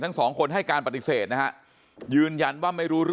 จังหวะนั้นได้ยินเสียงปืนรัวขึ้นหลายนัดเลย